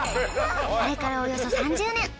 あれからおよそ３０年